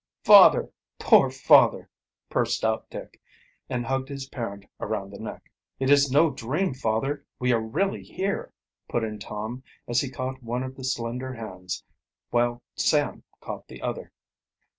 "Father; poor father!" burst out Dick, and hugged his parent around the neck. "It's no dream, father; we are really here," put in Tom, as he caught one of the slender hands, while Sam caught the other.